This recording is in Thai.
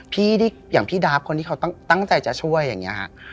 อย่างพี่ดาฟคนที่เขาตั้งใจจะช่วยอย่างนี้ฮะ